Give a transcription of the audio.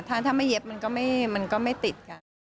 ถ้าไม่เย็บมันก็ไม่ติดกัน